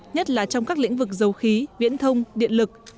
nhất là trong các lĩnh vực dầu khí viễn thông điện lực